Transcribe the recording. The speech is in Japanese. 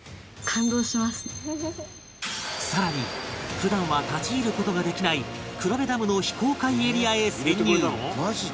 さらに普段は立ち入る事ができない黒部ダムの非公開エリアへ潜入